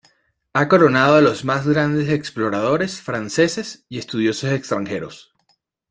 Ha coronado a los más grandes exploradores franceses y estudiosos extranjeros.